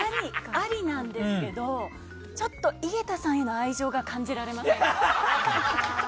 ありなんですけどちょっと井桁さんへの愛情が感じられません。